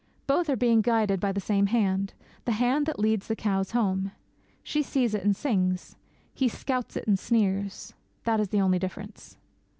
Both are being guided by the same Hand the Hand that leads the cows home. She sees it and sings. He scouts it and sneers. That is the only difference.